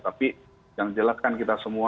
tapi jangan jelaskan kita semua